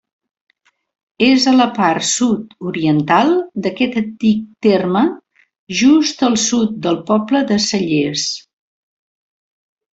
És a la part sud-oriental d'aquest antic terme, just al sud del poble de Cellers.